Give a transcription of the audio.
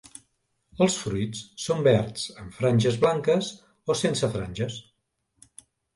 Els fruits són verds amb franges blanques o sense franges.